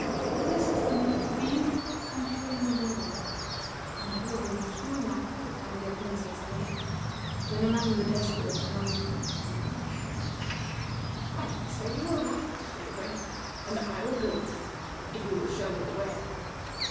This is the most beautiful country in the world, and you will be much more likely to find your Princess there than among the desolate mountains of the north." "I dare say you are right," said the Prince; "and I will go there, if you will show me the way."